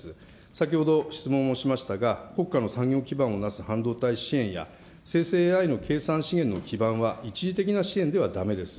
先ほど質問をしましたが、国家の産業基盤をなす半導体支援や、生成ＡＩの計算資源の基盤は一時的な支援ではだめです。